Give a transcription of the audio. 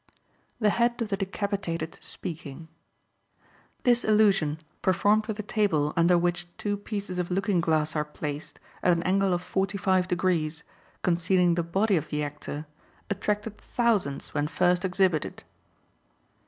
The Head of the Decapitated Speaking.—This illusion, performed with a table, under which two pieces of looking glass are placed, at an angle of forty five degrees, concealing the body of the actor, attracted thousands when first exhibited.